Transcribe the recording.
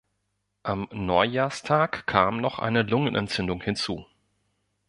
Am Neujahrstag kam noch eine Lungenentzündung hinzu.